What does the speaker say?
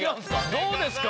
どうですか？